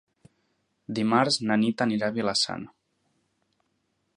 Dimarts na Nit anirà a Vila-sana.